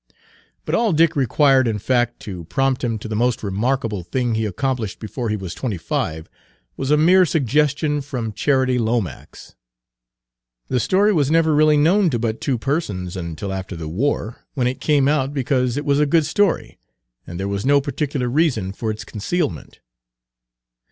But all Dick required, in fact, to prompt him to the most remarkable thing he accomplished before he was twenty five, was a mere suggestion from Charity Lomax. The story was never really known to but two persons until after the war, when it came out because it was a good story and there was no particular reason for its concealment.